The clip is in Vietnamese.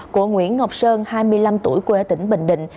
của nguyễn ngọc sơn hai mươi năm tuổi quê tỉnh bình định